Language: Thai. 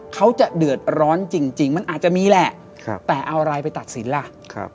เขาจะเดือดร้อนจริงมันอาจจะมีแหละแต่เอาอะไรไปตัดสินล่ะ